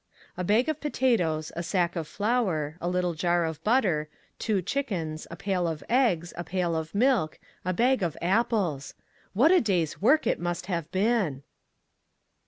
A bag of potatoes, a sack of flour, a lit tle jar of butter, two chickens, a pail of eggs, a pail of milk, a bag of apples. What a day's work it must have been!